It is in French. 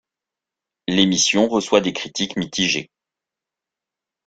L'émission reçoit des critiques mitigées.